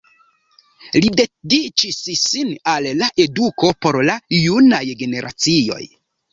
Li dediĉis sin al la eduko por la junaj generacioj.